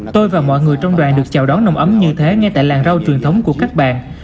tôi và mọi người trong đoàn được chào đón nồng ấm như thế ngay tại làng rau truyền thống của các bạn